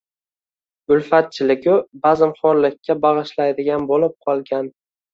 ulfatchilig-u bazmxo‘rlikka bag‘ishlaydigan bo‘lib qolgan